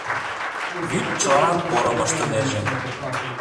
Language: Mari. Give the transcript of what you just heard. — Вӱд чылалан порым ыштынеже.